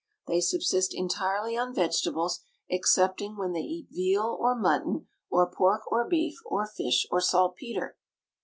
They subsist entirely on vegetables, excepting when they eat veal or mutton, or pork or beef, or fish or saltpetre.)